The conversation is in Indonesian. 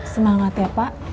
semangat ya pak